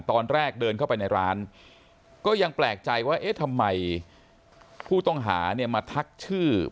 ตอนแรกเดินเข้าไปในร้านก็ยังแปลกใจว่าเอ๊ะทำไมผู้ต้องหาเนี่ยมาทักชื่อ